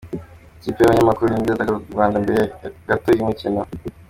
Ikipe y'Abanyamakuru b'imyidagaduro mu Rwanda mbere gato y'umukino.